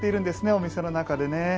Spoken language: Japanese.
お店の中で。